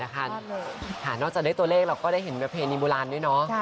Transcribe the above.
ค่ะน่าจะได้ตัวเลขเราก็ได้เห็นแบบเพลงอิมบุราณด้วยนะ